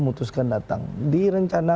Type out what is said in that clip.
memutuskan datang di rencana